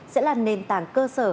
sẽ là nền tảng cơ sở